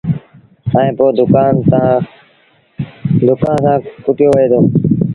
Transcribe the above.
ائيٚݩ پو ڌوڪآݩ سآݩ ڪُٽيو وهي دو۔